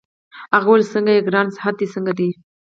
هغه وویل: څنګه يې ګرانه؟ صحت دي څنګه دی؟